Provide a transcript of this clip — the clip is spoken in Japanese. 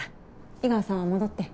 井川さんは戻って。